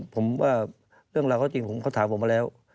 ผมว่าเรื่องราวเขาจริงผมก็ถามผมมาแล้ว